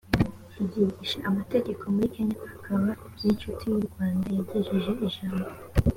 ryigisha amategeko muri kenya akaba n inshuti y u rwanda yagejeje ijambo